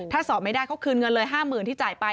ถ้าสอบไม่ได้เขาคืนเงินเลย๕๐๐๐ที่จ่ายไป